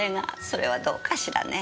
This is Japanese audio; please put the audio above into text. それはどうかしらね。